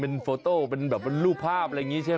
เด็กเท่านี้รู้ด้วยว่ามันเจ็บ